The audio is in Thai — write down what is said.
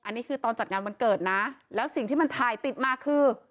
อันนี้คือตอนจัดงานวันเกิดนะแล้วสิ่งที่มันถ่ายติดมาคือ